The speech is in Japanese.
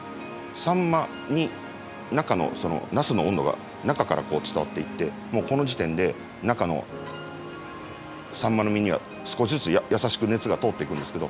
サンマに中の茄子の温度が中からこう伝わっていってもうこの時点で中のサンマの身には少しずつ優しく熱が通っていくんですけど。